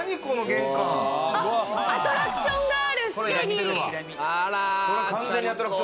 アトラクションがある、すでに。